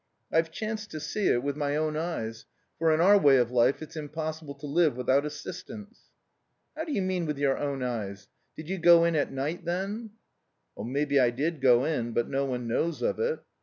I've chanced to see it with my own eyes, for in our way of life it's impossible to live without assistance...." "How do you mean with your own eyes? Did you go in at night then?" "Maybe I did go in, but no one knows of it."